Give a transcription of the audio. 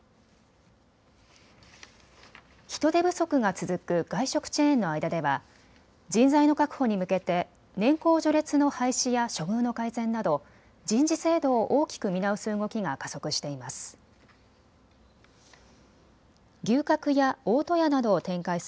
人手不足が続く外食チェーンの間では人材の確保に向けて年功序列の廃止や処遇の改善など人事制度を大きく見直す動きが加速しています。